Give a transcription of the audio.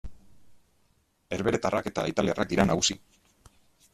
Herbeheretarrak eta italiarrak dira nagusi.